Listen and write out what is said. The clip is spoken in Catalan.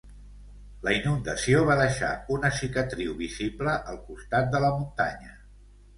La inundació va deixar una cicatriu visible al costat de la muntanya.